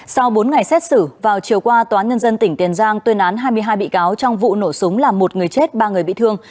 sau bốn ngày xét xử vào chiều qua tòa án nhân dân tỉnh tiền giang tuyên án hai mươi hai bị cáo trong vụ nổ súng làm một người chết ba người bị thương